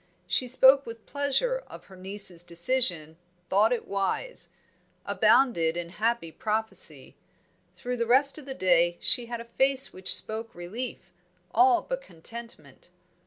She spoke with pleasure of her niece's decision thought it wise; abounded in happy prophecy; through the rest of the day she had a face which spoke relief, all but contentment.